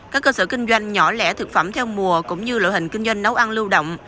các cơ sở kinh doanh nhỏ lẻ thực phẩm theo mùa cũng như lội hình kinh doanh nấu ăn lưu động